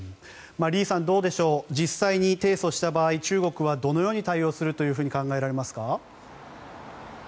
リさん、どうでしょう実際に提訴した場合中国はどのように対応すると考えられますか？